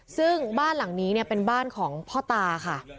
ซึ่งบ้านหลังนี้เป็นบ้านของพ่อตาค่ะ